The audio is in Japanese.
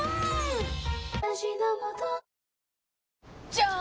じゃーん！